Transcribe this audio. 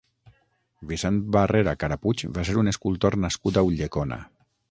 Vicent Barrera Carapuig va ser un escultor nascut a Ulldecona.